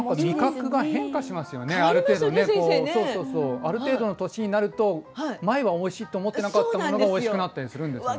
ある程度の年になると前はおいしいと思ってなかったものがおいしくなったりするんですよね。